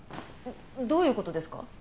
どういう事ですか？